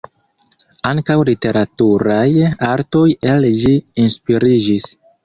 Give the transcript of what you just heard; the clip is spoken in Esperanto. Ankaŭ literaturaj artoj el ĝi inspiriĝis.